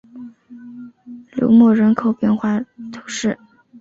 卢莫人口变化图示